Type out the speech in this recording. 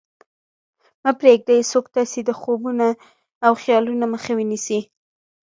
مه پرېږدئ څوک ستاسې د خوبونو او خیالونو مخه ونیسي